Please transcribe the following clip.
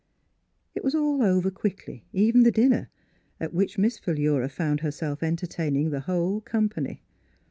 It was all over quickly; even the din ner, at which Miss Philura found herself entertaining the whole company.